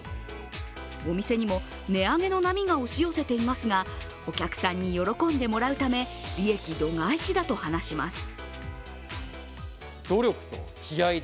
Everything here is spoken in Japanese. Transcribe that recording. お店にも値上げの波が押し寄せていますがお客さんに喜んでもらうため、利益度外視だと話します。